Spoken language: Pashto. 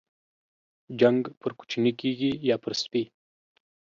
جنگ پر کوچني کېږي ، يا پر سپي.